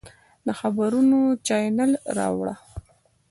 د خبرونو چاینل راواړوه!